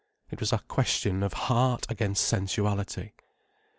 It was a question of heart against sensuality.